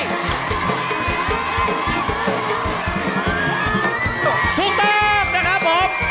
ถูกต้องนะครับผม